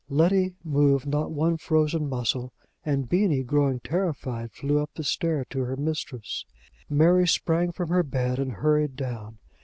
Letty moved not one frozen muscle, and Beenie, growing terrified, flew up the stair to her mistress. Mary sprang from her bed and hurried down.